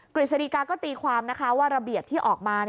กฤษฎีกาก็ตีความนะคะว่าระเบียบที่ออกมา